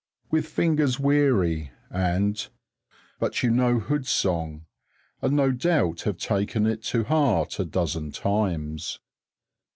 With fingers weary and But you know Hood's song, and no doubt have taken it to heart a dozen times.